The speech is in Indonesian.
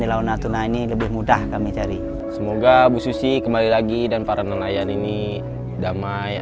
laut natuna ini lebih mudah kami cari semoga bu susi kembali lagi dan para nelayan ini damai